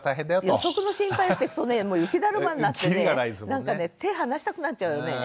予測の心配をしてくとね雪だるまになってねなんかね手はなしたくなっちゃうよね。